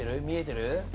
見えてる？